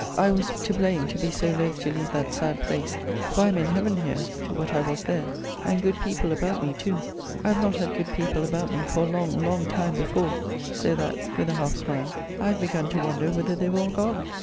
I was to blame to be so loth to leave that sad place; for I am in heaven here, to what I was there; and good people about me too! I have not had good people about me for a long, long time before; so that [with a half smile] I had begun to wonder whither they were all gone.